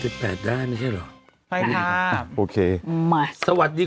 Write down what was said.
จับไปจับไปได้น่ะใช่หรอใช่ครับโอเคมาสวัสดี